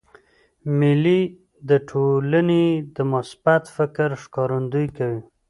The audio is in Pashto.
مېلې د ټولني د مثبت فکر ښکارندویي کوي.